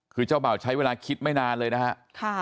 คือเจ้าบ่าวใช้เวลาคิดไม่นานเลยนะครับ